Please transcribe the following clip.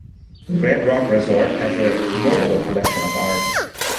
Red Rock Resort has a notable collection of art.